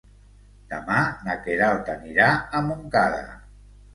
Demà na Queralt anirà a Montcada.